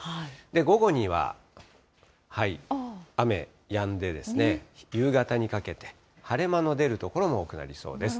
午後には、雨やんで、夕方にかけて晴れ間の出る所も多くなりそうです。